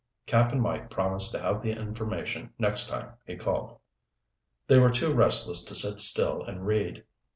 Cap'n Mike promised to have the information next time he called. They were too restless to sit still and read.